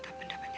itu gak mungkin